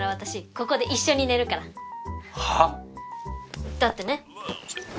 ここで一緒に寝るからはっ⁉だってね！